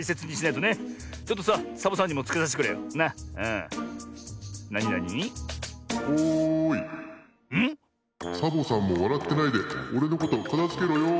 「サボさんもわらってないでおれのことかたづけろよ」。